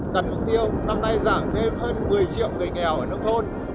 tật mục tiêu năm nay giảm thêm hơn một mươi triệu người nghèo ở nước thôn